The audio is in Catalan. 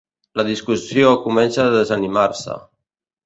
La discussió comença a desanimar-se.